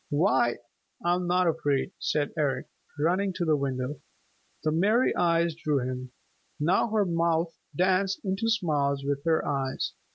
"Why, I'm not afraid," said Eric, running to the window. The merry eyes drew him. Now her mouth danced into smiles with her eyes.